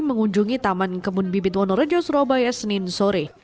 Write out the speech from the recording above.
mengunjungi taman kebun bibit wonorejo surabaya senin sore